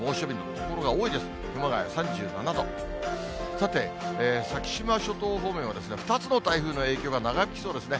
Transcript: さて、先島諸島方面は、２つの台風の影響が長引きそうですね。